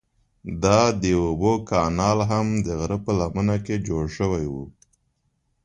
دا د اوبو کانال هم د غره په لمنه کې جوړ شوی و.